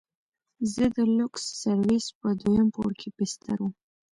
زه د لوکس سرويس په دويم پوړ کښې بستر وم.